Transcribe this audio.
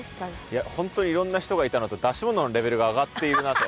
いや本当にいろんな人がいたのと出し物のレベルが上がっているなと。